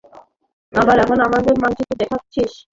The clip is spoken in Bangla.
আমরা এখন আপনাদের মানচিত্র দেখাচ্ছি।